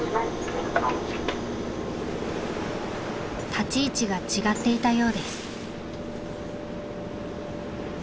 立ち位置が違っていたようです。